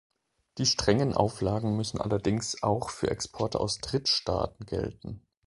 Die strengen Auflagen müssen allerdings auch für Exporte aus Drittstaaten gelten.